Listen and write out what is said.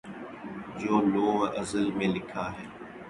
جو لوح ازل میں لکھا ہے